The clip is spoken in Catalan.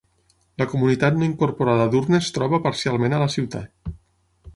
La comunitat no incorporada d'Urne es troba parcialment a la ciutat.